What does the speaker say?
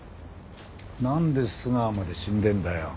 なんで須川まで死んでんだよ。